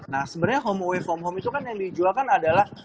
nah sebenarnya home away from home itu kan yang dijual kan adalah